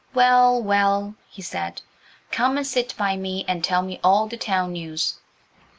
"Well, well," he said, "come and sit by me and tell me all the town news."